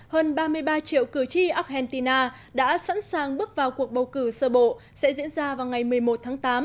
hơn ba mươi ba triệu cử tri argentina đã sẵn sàng bước vào cuộc bầu cử sơ bộ sẽ diễn ra vào ngày một mươi một tháng tám